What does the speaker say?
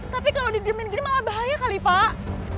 tapi kalau didirimin gini malah bahaya kali pak